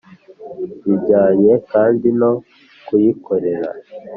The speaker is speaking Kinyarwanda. Bijyanye kandi no kuyikorera